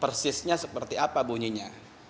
persisnya seperti apa bunyinya